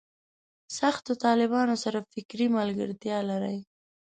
سختو طالبانو سره فکري ملګرتیا لري.